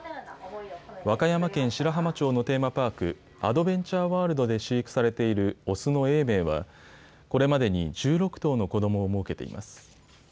和歌山県白浜町のテーマパーク、アドベンチャーワールドで飼育されているオスの永明はこれまでに１６頭の子どもをもうけています。